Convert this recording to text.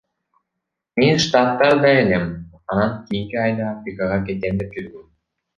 Мен Штаттарда элем, анан кийинки айда Африкага кетем деп жүргөм.